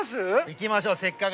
行きましょうか。